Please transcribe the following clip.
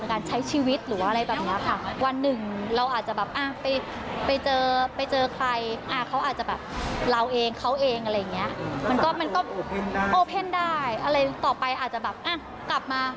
การใช้ชีวิตหรือว่าอะไรแบบนี้ค่ะ